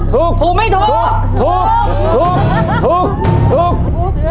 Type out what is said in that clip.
ถูกถูกไม่ถูกถูกถูก